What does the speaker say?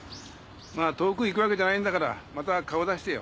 まあ遠くへ行くわけじゃないんだからまた顔出してよ。